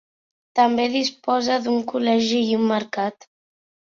També disposa d'un col·legi i un mercat.